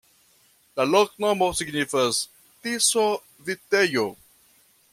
La loknomo signifas: Tiso-vitejo.